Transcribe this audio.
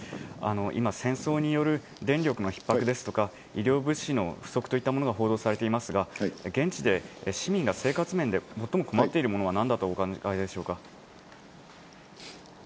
今、戦争による電力のひっ迫ですとか医療物資の不足といったものが報道されていますが現地で市民が生活面で最も困っていることは何だとお考えでしょうか。